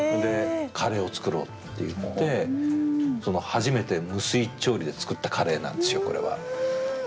カレーを作ろうって言ってその初めて無水調理で作ったカレーなんですよこれは。